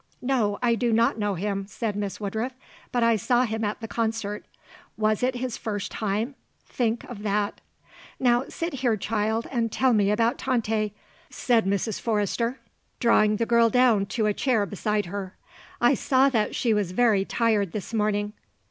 "No, I do not know him," said Miss Woodruff, "but I saw him at the concert. Was it his first time? Think of that." "Now sit here, child, and tell me about Tante," said Mrs. Forrester, drawing the girl down to a chair beside her. "I saw that she was very tired this morning.